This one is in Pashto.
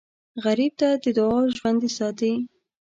غریب ته دعا ژوندي ساتي